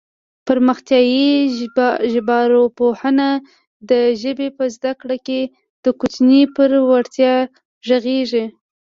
پرمختیایي ژبارواپوهنه د ژبې په زده کړه کې د کوچني پر وړتیا غږېږي